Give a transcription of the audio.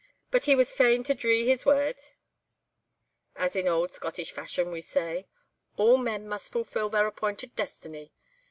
But he was fain to 'dree his weird,' as in auld Scottish fashion we say; all men must fulfil their appointed destiny.